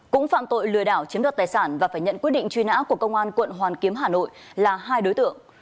cũng phạm tội lừa đảo chiếm đoạt tài sản và phải nhận quyết định truy nã của công an quận hoàn kiếm hà nội là hai đối tượng